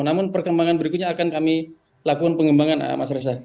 namun perkembangan berikutnya akan kami lakukan pengembangan mas reza